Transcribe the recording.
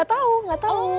gak tau gak tau